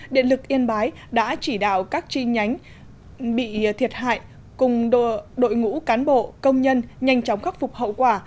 điện lực yên bái đã chỉ đạo các chi nhánh bị thiệt hại cùng đội ngũ cán bộ công nhân nhanh chóng khắc phục hậu quả